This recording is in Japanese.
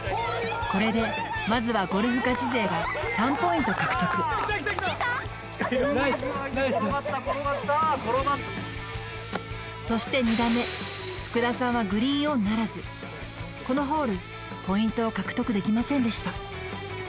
これでまずはゴルフガチ勢が３ポイント獲得ナイスナイスそして２打目福田さんはグリーンオンならずこのホールポイントを獲得できませんでした